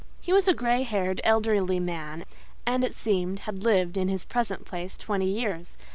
He was a grey haired, elderly man; and, it seemed, had lived in his present place twenty years.